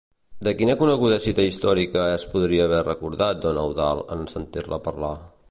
De quina coneguda cita històrica es podria haver recordat don Eudald en sentir-la parlar?